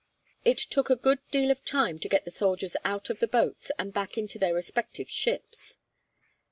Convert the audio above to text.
It took a good deal of time to get the soldiers out of the boats, and back into their respective ships.